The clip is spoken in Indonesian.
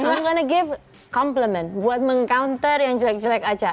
i'm gonna give compliment buat meng counter yang jelek jelek aca